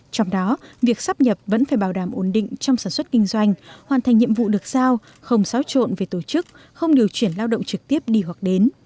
trong đó việc sắp nhập vẫn phải bảo đảm ổn định trong sản xuất kinh doanh hoàn thành nhiệm vụ được giao không xáo trộn về tổ chức không điều chuyển lao động trực tiếp đi hoặc đến